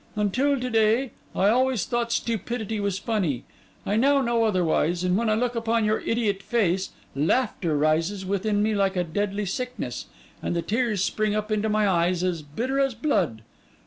Until to day, I always thought stupidity was funny; I now know otherwise; and when I look upon your idiot face, laughter rises within me like a deadly sickness, and the tears spring up into my eyes as bitter as blood.